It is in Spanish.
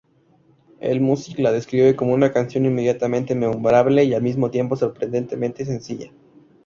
Allmusic la describe como una canción "inmediatamente memorable" y al mismo tiempo "sorprendentemente sencilla".